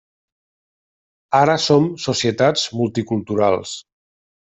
Ara som societats multiculturals.